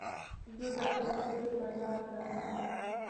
زه د ښه ملګري معیار لرم.